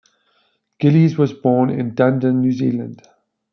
Gillies was born in Dunedin, New Zealand.